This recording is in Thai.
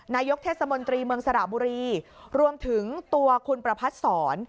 นายกเทศมนตรีเมืองสระบุรีรวมถึงตัวคุณประพัทธ์ศร